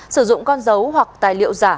sử dụng con dấu hoặc tài liệu giả